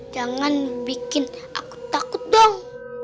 jangan bikin takut dong